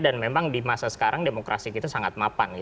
dan memang di masa sekarang demokrasi itu sangat mapan